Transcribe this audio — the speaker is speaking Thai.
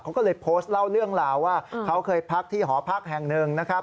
เขาก็เลยโพสต์เล่าเรื่องราวว่าเขาเคยพักที่หอพักแห่งหนึ่งนะครับ